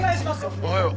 おはよう。